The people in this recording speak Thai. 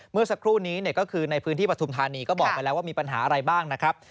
เมื่อสักครู่นี้ก็คือในพื้นที่ปฐุมธานีก็บอกไปแล้วว่ามีปัญหาอะไรบ้างนะครับ